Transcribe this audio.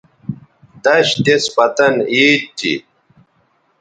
دش دِس پتن عید تھی